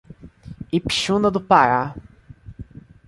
Ipixuna do Pará